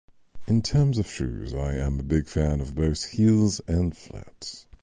In terms of shoes, I am a big fan of both heels and flats.